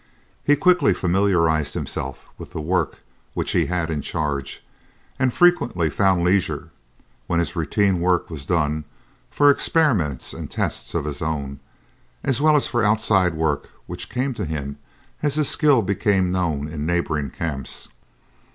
He quickly familiarized himself with the work which he had in charge, and frequently found leisure, when his routine work was done, for experiments and tests of his own, as well as for outside work which came to him as his skill became known in neighboring camps.